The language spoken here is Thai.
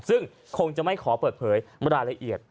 ซึ่งคงจะไม่ขอเปิดเผยรายละเอียด